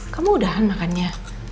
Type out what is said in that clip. kamu udahan makannya